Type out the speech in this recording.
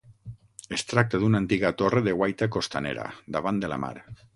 Es tracta d'una antiga torre de guaita costanera, davant de la mar.